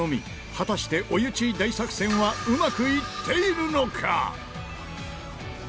果たしてお湯チー大作戦はうまくいっているのか？